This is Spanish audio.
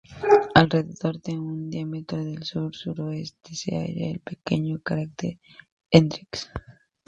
Alrededor de un diámetro al sur-suroeste se halla el pequeño cráter Hendrix.